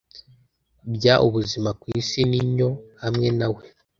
Bya ubuzima ku isi ninyo hamwe na we